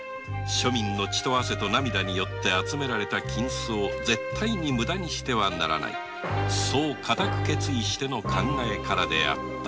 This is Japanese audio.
庶民の血と汗と涙によって集められた金子を無駄にしてはならぬそうかたく決意しての考えからであった